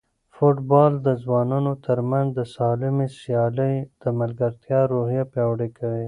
فوټبال د ځوانانو ترمنځ د سالمې سیالۍ او ملګرتیا روحیه پیاوړې کوي.